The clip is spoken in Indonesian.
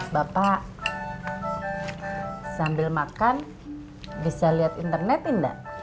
bapak sambil makan bisa liat internet indah